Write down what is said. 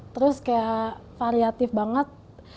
terus kayak variatif banget